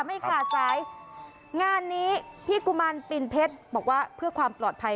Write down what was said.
ไม่ขาดสายงานนี้พี่กุมารปินเพชรบอกว่าเพื่อความปลอดภัย